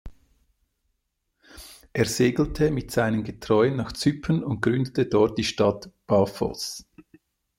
Er segelte mit seinen Getreuen nach Zypern und gründete dort die Stadt Paphos.